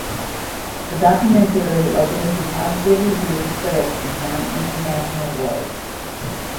The documentary opened to positive reviews from critics and won international awards.